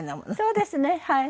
そうですねはい。